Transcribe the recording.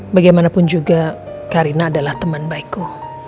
bagaimanapun juga karina adalah teman baikku